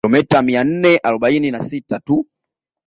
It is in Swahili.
Kilomita mia nne arobaini na sita tu